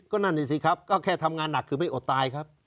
ก็นั่นนี่สิครับก็แค่ทำงานหนักคือไม่อดตายครับ